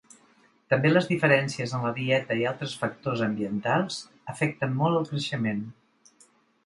També les diferències en la dieta i altres factors ambientals afecten molt al creixement.